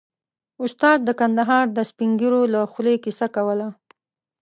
استاد د کندهار د سپين ږيرو له خولې کيسه کوله.